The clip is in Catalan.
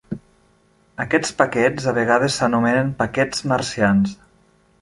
Aquests paquets a vegades s'anomenen Paquets Marcians.